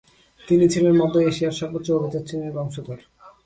তিনি ছিলেন মধ্য এশিয়ার সর্বোচ্চ অভিজাত শ্রেণীর বংশধর।